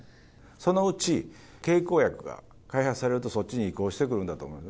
そのうち経口薬が開発されると、そっちに移行してくるんだと思います。